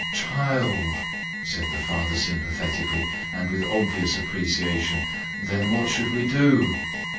"Child," said the father sympathetically and with obvious appreciation, "then what should we do?"